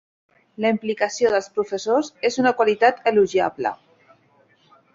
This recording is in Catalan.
La implicació dels professors és una qualitat elogiable.